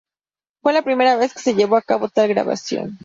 Fue la primera vez que se llevó a cabo tal grabación.